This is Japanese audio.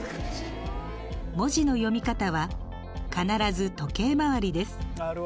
文字の読み方は必ず時計回りです。